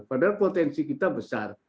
padahal potensi kita besar